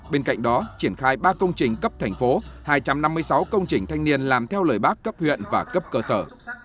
bên cạnh đó triển khai ba công trình cấp thành phố hai trăm năm mươi sáu công trình thanh niên làm theo lời bác cấp huyện và cấp cơ sở